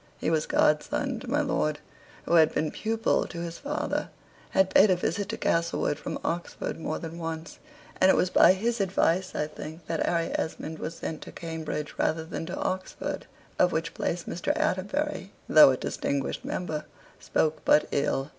He was godson to my lord, who had been pupil to his father; had paid a visit to Castlewood from Oxford more than once; and it was by his advice, I think, that Harry Esmond was sent to Cambridge, rather than to Oxford, of which place Mr. Atterbury, though a distinguished member, spoke but ill.